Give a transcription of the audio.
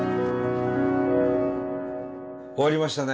終わりましたね。